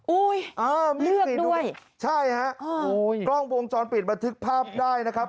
อุ้ยอ้าวเลือกด้วยใช่ฮะอุ้ยกล้องวงจรปิดมาทึกภาพได้นะครับ